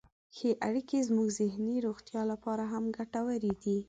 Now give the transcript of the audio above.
ښې اړیکې زموږ ذهني روغتیا لپاره هم ګټورې دي.